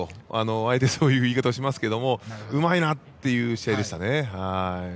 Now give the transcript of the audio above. あえてそういう言い方をしますがうまいなという試合でしたね。